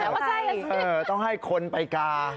ใช่ต้องให้คนไปกา